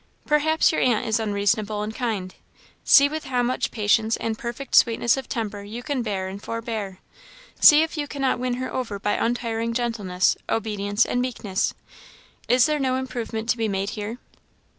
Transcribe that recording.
Perhaps your aunt is unreasonable and unkind see with how much patience and perfect sweetness of temper you can bear and forbear; see if you cannot win her over by untiring gentleness, obedience, and meekness. Is there no improvement to be made here?"